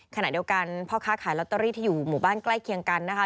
ขณะเดียวกันพ่อค้าขายเฉฬอยู่หมู่บ้านใกล้เคียงกันนะคะ